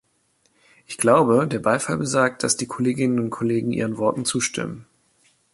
Ich glaube, der Beifall besagt, dass die Kolleginnen und Kollegen Ihren Worten zustimmen.